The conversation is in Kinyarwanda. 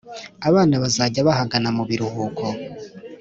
abana bazajya bahagana mubiruhuko